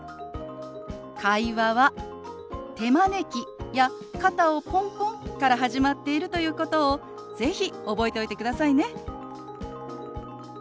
会話は手招きや肩をポンポンから始まっているということを是非覚えておいてくださいね。